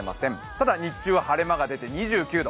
ただ、日中は晴れ間が出て２９度。